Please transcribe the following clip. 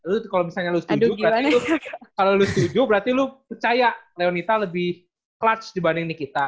lu kalau misalnya lu setuju berarti lu percaya leonita lebih clutch dibanding nikita